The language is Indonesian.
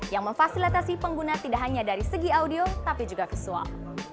yang memfasilitasi pengguna tidak hanya dari segi audio tapi juga visual